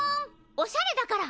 おしゃれだから。